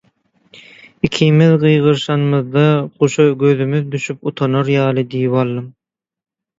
"Ikimiz gygyrşamyzda, guşa gözümiz düşüp utanar ýaly diýip aldym…"